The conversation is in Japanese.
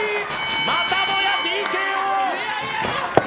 またもやＴＫＯ。